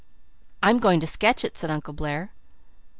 "I'm going to sketch it," said Uncle Blair.